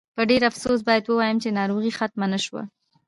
په ډېر افسوس باید ووایم چې ناروغي ختمه نه شوه.